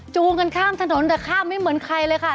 จูงกันข้ามถนนแต่ข้ามไม่เหมือนใครเลยค่ะ